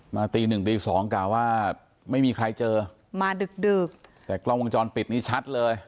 ตีหนึ่งตีสองกล่าวว่าไม่มีใครเจอมาดึกดึกแต่กล้องวงจรปิดนี้ชัดเลย